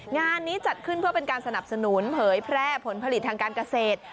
งานนี้จัดขึ้นเพื่อเป็นการสนับสนุนเผยแพร่ผลผลิตทางการเกษตร